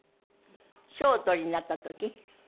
賞をお取りになった時？